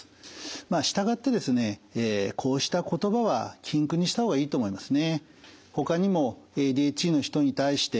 まあ従ってですねこうした言葉は禁句にした方がいいと思いますね。